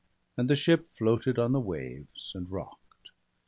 And the ship floated on the waves, and rock'd.